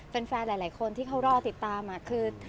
แฟนหลายคนที่เขารอติดตามคือ